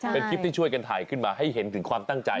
เป็นคลิปที่ช่วยกันถ่ายขึ้นมาให้เห็นถึงความตั้งใจ